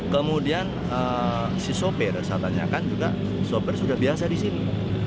kemudian si sopir saya tanyakan juga sopir sudah biasa di sini